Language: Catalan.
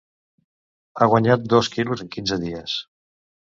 Ha guanyat dos quilos en quinze dies.